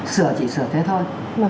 sửa chỉ sửa thế thôi